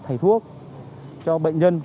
và thầy thuốc cho bệnh nhân